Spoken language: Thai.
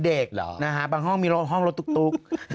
เด็กนะฮะบางห้องมีห้องรถตุ๊ก